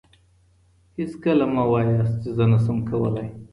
هیڅکله مه وایئ چي زه نشم کولای.